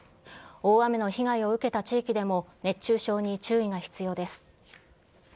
大雨の被害を受けた地域でも熱中症に注意が必要です。